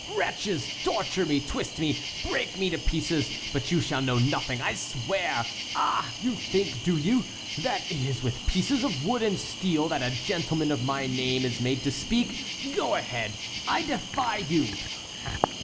"Wretches! torture me, twist me, break me to pieces, but you shall know nothing, I swear! Ah! you think, do you, that it is with pieces of wood and steel that a gentleman of my name is made to speak? Go ahead! I defy you!"